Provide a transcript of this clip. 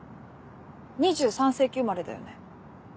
２３世紀生まれだよね。